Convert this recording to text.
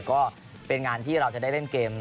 ก็เป็นงานที่เราจะได้เล่นเกม